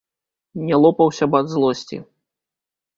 Не лопаўся б ад злосці.